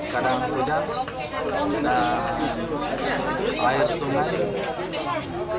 kadang udara dan air sungai